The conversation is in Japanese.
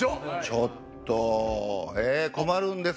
ちょっと！